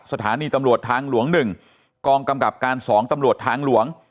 สถานีตำรวจทางหลวง๑กองกำกับการ๒ตำรวจทางหลวง